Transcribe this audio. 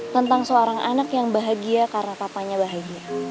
tentang seorang anak yang bahagia karena papanya bahagia